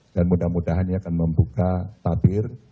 dan mudah mudahan akan membuka tabir